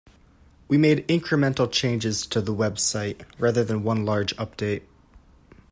We made incremental changes to the website, rather than one large update.